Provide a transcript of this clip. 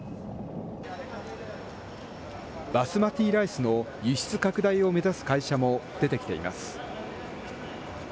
バスマティライスの輸出拡大を目指す会社も出てきています。